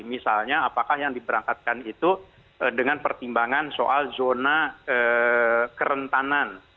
misalnya apakah yang diberangkatkan itu dengan pertimbangan soal zona kerentanan